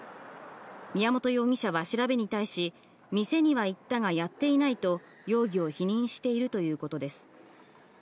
宮本容疑者は調べに対し、店には行ったがやっていないと、容疑を否認しているということです。